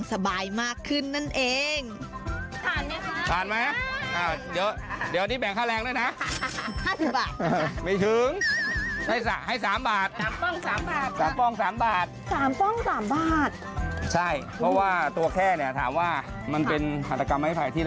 สนุกแล้วมากับบ้านแล้วคนนี้